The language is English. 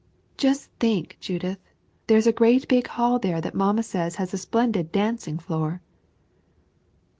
"Just think, Judith; there is a great big hall there that mamma says has a splendid dancing floor!"